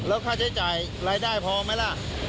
แล้วค่าใช้จ่ายรายได้พอไหมล่ะ